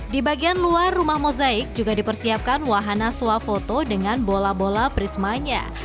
di bagian luar rumah mozaik juga dipersiapkan wahana swap foto dengan bola bola prismanya